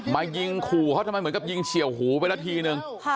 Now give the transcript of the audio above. มายิงขู่เขาทำไมเหมือนกับยิงเฉียวหูไปละทีนึง